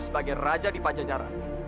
sebagai raja di pancacara